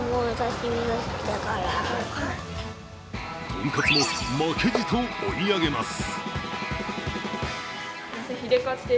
とんかつも負けじと追い上げます。